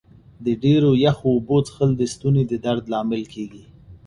د ډېرو یخو اوبو څښل د ستوني د درد لامل کېږي.